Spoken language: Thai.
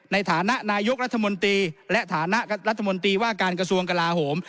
ในฐานะนายกรัฐมนตรีและฐานะรัฐมนตรีว่าการกระทรวงกลาโหม